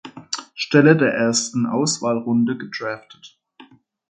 Stelle der ersten Auswahlrunde gedraftet.